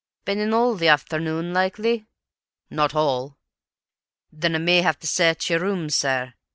"Been in all the afternoon, likely?" "Not all." "Then I may have to search your rooms, sir.